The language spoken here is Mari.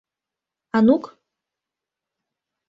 Анук.